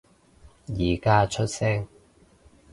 而家出聲